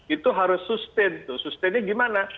itu harus sustain tuh sustainnya gimana